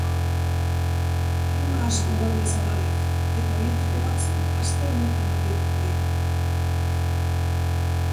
Trama asko daude zabalik eta horietako batzuk aste honetan argituko dira.